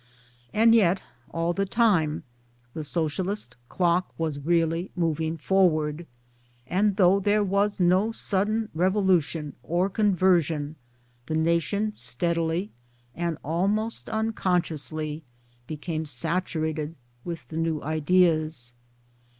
And yet all the time the Socialist clock was really going forward, and though there was no sudden revolution or conversion, the nation steadily and almost unconsciously became saturated with the new ideas.